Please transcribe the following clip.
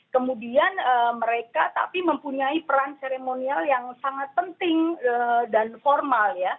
kemudian mereka tapi mempunyai peran seremonial yang sangat penting dan formal ya